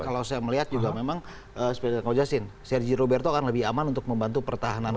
kalau saya melihat juga memang seperti yang kata ngo jasin sergio roberto akan lebih aman untuk membantu pertahanan